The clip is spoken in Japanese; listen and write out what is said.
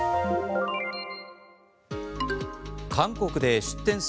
韓国で出店数